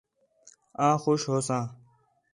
آں خوش ہوساں